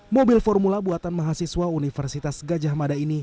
mobil formula buatan mahasiswa universitas gajah mada ini